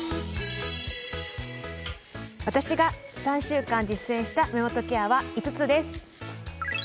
私が３週間、実践した目元ケアは５つです。